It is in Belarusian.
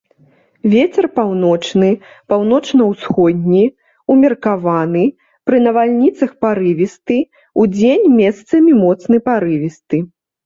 Вецер паўночны, паўночна-ўсходні, умеркаваны, пры навальніцах парывісты, удзень месцамі моцны парывісты.